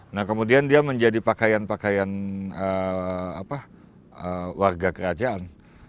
nah kemudian dia menjadi pakaian pakaian warga kerajaan